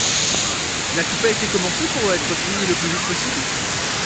N’as-tu pas été commencée pour être finie le plus vite possible ?